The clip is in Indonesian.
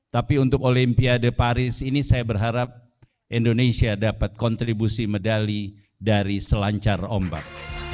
tapi untuk olimpiade paris ini saya berharap indonesia dapat kontribusi medali dari selancar ombak